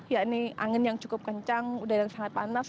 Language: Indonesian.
ya ini angin yang cukup kencang udara yang sangat panas